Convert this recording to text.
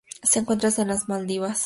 Se encuentra en las Maldivas.